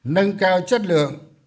nâng cao chất lượng